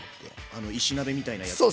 あの石鍋みたいなやつ？